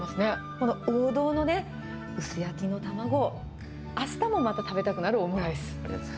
この王道のね、薄焼きの卵、あしたもまた食べたくなるオムライス。